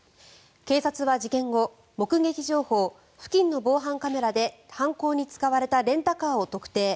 警察は事件後目撃情報、付近の防犯カメラで犯行に使われたレンタカーを特定。